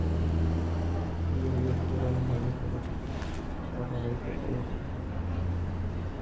يو يو کور او محلې ته ورتلو او هغوی ته به ئي